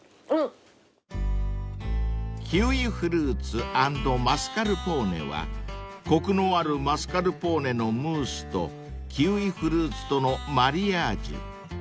［キウイフルーツ＆マスカルポーネはコクのあるマスカルポーネのムースとキウイフルーツとのマリアージュ］